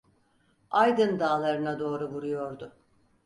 Aydın dağlarına doğru vuruyordu.